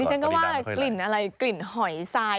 ฉันก็ว่ากลิ่นอะไรกลิ่นหอยทราย